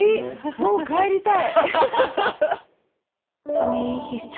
もう帰りたい。